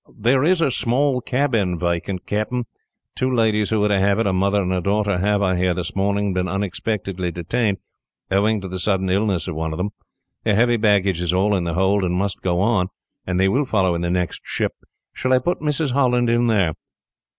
"There is a small cabin vacant, Captain. Two ladies who were to have it a mother and daughter have, I hear this morning, been unexpectedly detained, owing to the sudden illness of one of them. Their heavy baggage is all in the hold, and must go on, and they will follow in the next ship. Shall I put Mrs. Holland in there?"